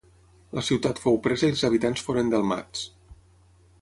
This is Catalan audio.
La ciutat fou presa i els habitants foren delmats.